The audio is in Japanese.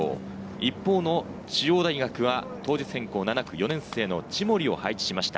一方の中央大学は当日変更７区、４年生の千守を配置しました。